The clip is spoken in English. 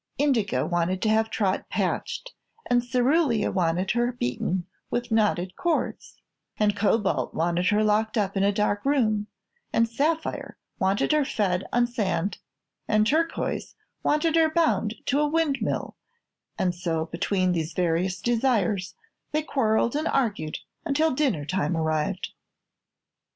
Indigo wanted to have Trot patched, and Cerulia wanted her beaten with knotted cords, and Cobalt wanted her locked up in a dark room, and Sapphire wanted her fed on sand, and Turquoise wanted her bound to a windmill, and so between these various desires they quarrelled and argued until dinner time arrived.